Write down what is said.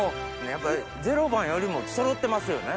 やっぱ０番よりもそろってますよね。